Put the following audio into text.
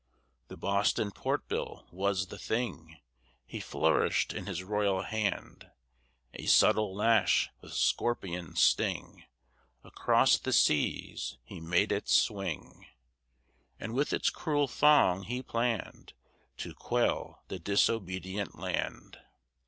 The Boston Port Bill was the thing He flourished in his royal hand; A subtle lash with scorpion sting, Across the seas he made it swing, And with its cruel thong he planned To quell the disobedient land.